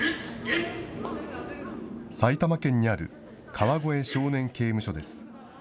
埼玉県にある川越少年刑務所です。